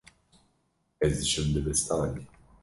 Ez diçim dibistanê.